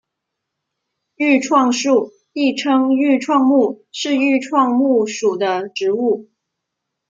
愈创树亦称愈创木是愈创木属的植物。